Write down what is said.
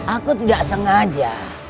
aku tidak sengaja